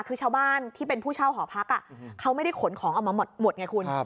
คือชาวบ้านที่เป็นผู้เช่าหอพักเขาไม่ได้ขนของออกมาหมดไงคุณ